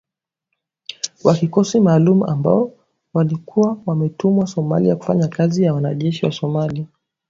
wa kikosi maalum ambao walikuwa wametumwa Somalia kufanya kazi na wanajeshi wa Somalia